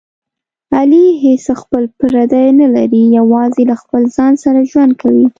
علي هېڅ خپل پردی نه لري، یوازې له خپل ځان سره ژوند کوي.